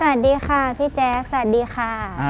สวัสดีค่ะพี่แจ๊คสวัสดีค่ะ